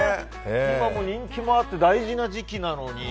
今、人気もあって大事な時期なのに。